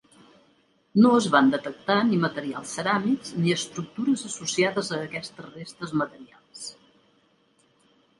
No es van detectar ni materials ceràmics ni estructures associades a aquestes restes materials.